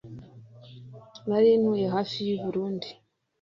nari ntuye hafi y'i Burundi